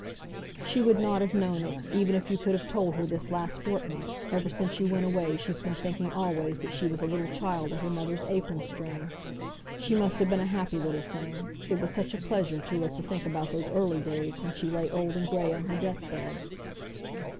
"She would not have known it, even if you could have told her this last fortnight, ever since you went away she's been thinking always that she was a little child at her mother's apron string. She must have been a happy little thing; it was such a pleasure to her to think about those early days, when she lay old and gray on her death bed."